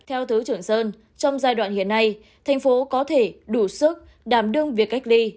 theo thứ trưởng sơn trong giai đoạn hiện nay thành phố có thể đủ sức đảm đương việc cách ly